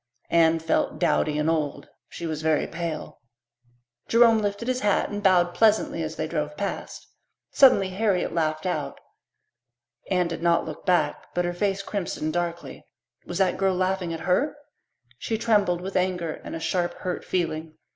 Anne felt dowdy and old; she was very pale. Jerome lifted his hat and bowed pleasantly as they drove past. Suddenly Harriet laughed out. Anne did not look back, but her face crimsoned darkly. Was that girl laughing at her? She trembled with anger and a sharp, hurt feeling.